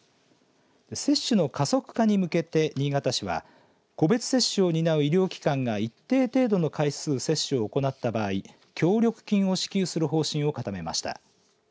接種の加速化に向けて新潟市は個別接種を担う医療機関が一定程度の回数接種を行った場合協力金を支給する方針を固めました。